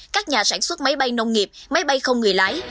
các nhà sản xuất máy bay nông nghiệp máy bay không người lái